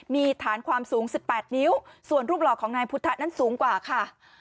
มีฐานความสูง๑๘นิ้วส่วนรูปหล่อของนายพุทธะนั้นสูงกว่าค่ะ